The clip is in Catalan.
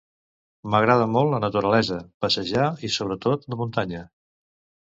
M'agrada molt la naturalesa, passejar i, sobretot, la muntanya.